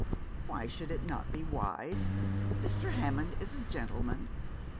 'Why should it not be wise? Mr. Hammond is a gentleman.'